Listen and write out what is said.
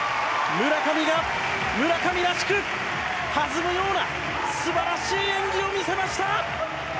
村上が、村上らしく、弾むような、すばらしい演技を見せました！